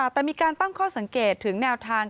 แต่มีการตั้งข้อสังเกตถึงแนวทาง